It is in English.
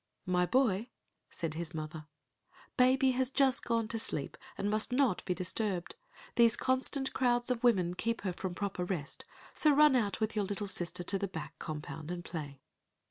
"My boy," said his mother, "baby has just gone to sleep and must not be disturbed. These constant crowds of women keep her from proper rest, so run out with your little sister to the back compound and play."